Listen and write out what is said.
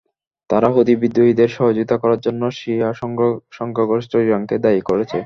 তারা হুতি বিদ্রোহীদের সহযোগিতা করার জন্য শিয়া সংখ্যাগরিষ্ঠ ইরানকে দায়ী করেছে।